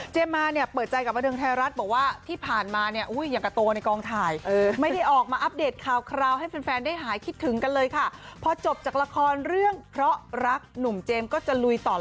เจมมาเนี่ยเปิดใจกับประดึงไทยรัฐบอกว่าที่ผ่านมาเนี่ยอุ่ยอย่างกับตัวในกองถ่าย